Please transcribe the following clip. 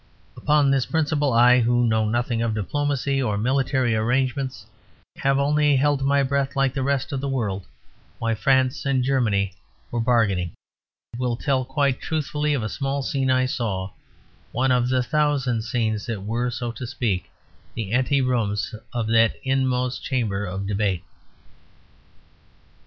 Upon this principle I, who know nothing of diplomacy or military arrangements, and have only held my breath like the rest of the world while France and Germany were bargaining, will tell quite truthfully of a small scene I saw, one of the thousand scenes that were, so to speak, the anterooms of that inmost chamber of debate.